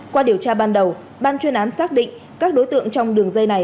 qua điều tra ban đầu ban chuyên án xác định các đối tượng trong đường dây này